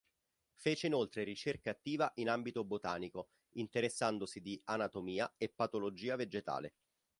Fece inoltre ricerca attiva in ambito botanico, interessandosi di anatomia e patologia vegetale.